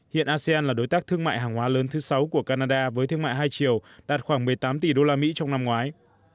hiện asean là đối tác thương mại hàng hóa lớn thứ sáu của canada với thương mại hai triệu đạt khoảng một mươi tám tỷ usd trong năm ngoái